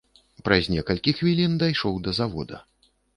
Праз некалькі хвілін дайшоў да завода.